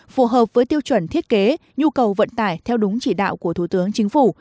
phù hợp với tiêu chuẩn thiết kế nhu cầu vận tải theo đúng chỉ đạo của thủ tướng chính phủ